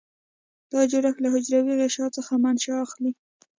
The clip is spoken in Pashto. دا جوړښت له حجروي غشا څخه منشأ اخلي.